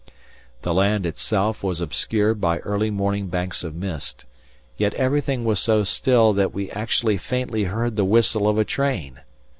The land itself was obscured by early morning banks of mist, yet everything was so still that we actually faintly heard the whistle of a train.